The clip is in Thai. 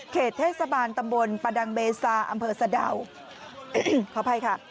เทศบาลตำบลประดังเบซาอำเภอสะดาวขออภัยค่ะ